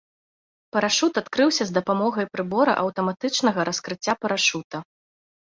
Парашут адкрыўся з дапамогай прыбора аўтаматычнага раскрыцця парашута.